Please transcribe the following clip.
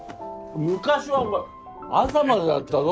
昔はお前朝までだったぞ？